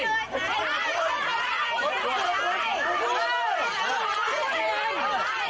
บอกมติของคณะกรรมการวัดไม่ให้ขายแล้วนะฮะ